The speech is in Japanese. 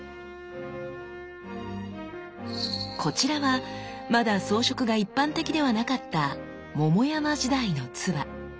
こちらはまだ装飾が一般的ではなかった桃山時代の鐔。